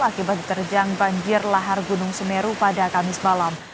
akibat diterjang banjir lahar gunung semeru pada kamis malam